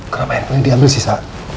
kenapa handphone ini diambil sih sa